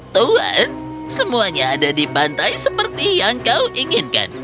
tuhan semuanya ada di pantai seperti yang kau inginkan